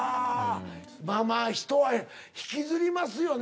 まあまあ人は引きずりますよね。